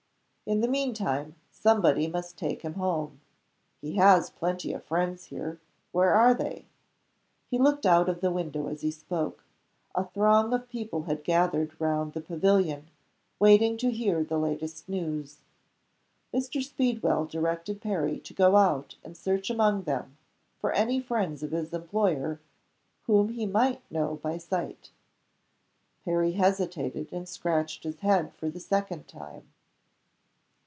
In the mean time, somebody must take him home. He has plenty of friends here. Where are they?" He looked out of the window as he spoke. A throng of people had gathered round the pavilion, waiting to hear the latest news. Mr. Speedwell directed Perry to go out and search among them for any friends of his employer whom he might know by sight. Perry hesitated, and scratched his head for the second time.